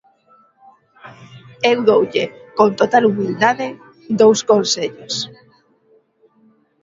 Eu doulle, con total humildade, dous consellos.